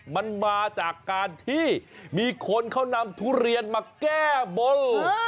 มันมาจากการที่มีคนเขานำทุเรียนมาแก้บน